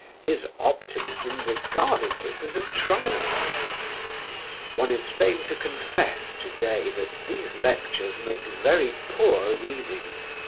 His optimism regarded this as a triumph. One is fain to confess today that these lectures make very poor reading.